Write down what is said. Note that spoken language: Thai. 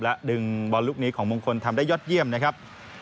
และดึงบอลลูกนี้ของมงคลทำได้ยอดเยี่ยมนะครับ